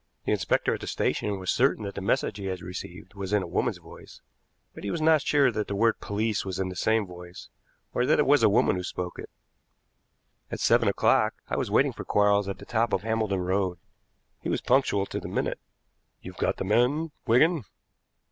The inspector at the station was certain the message he had received was in a woman's voice, but he was not sure that the word "police" was in the same voice, or that it was a woman who spoke it. At seven o'clock I was waiting for Quarles at the top of Hambledon Road. He was punctual to the minute. "You've got the men, Wigan?"